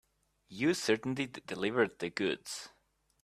You certainly delivered the goods.